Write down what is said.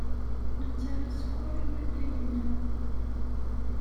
Nettarra sskeṛ i watay-nneɣ.